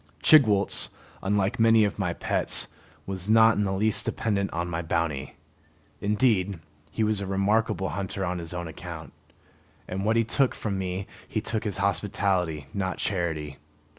Chigwooltz, unlike many of my pets, was not in the least dependent on my bounty. Indeed, he was a remarkable hunter on his own account, and what he took from me he took as hospitality, not charity.